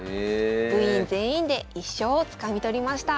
部員全員で１勝をつかみ取りました。